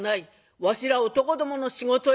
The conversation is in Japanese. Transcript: わしら男どもの仕事や」。